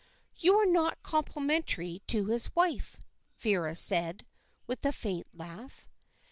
"You are not complimentary to his wife," Vera said, with a faint laugh.